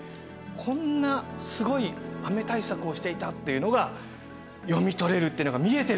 こんなすごい雨対策をしていたっていうのが読み取れるっていうのが見えてるんですよ。